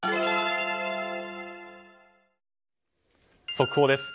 速報です。